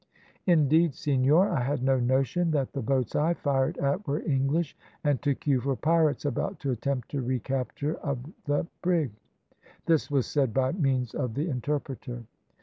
"`Indeed, senor, I had no notion that the boats I fired at were English, and took you for pirates, about to attempt the recapture of the brig.' This was said by means of the interpreter.